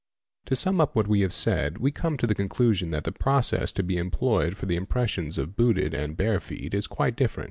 To sum up what we have said we come to the conclusion that the process to be employed for the impressions of booted and bare feet is quite different.